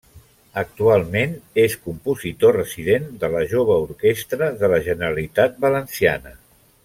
Actualment és compositor resident de la Jove Orquestra de la Generalitat Valenciana.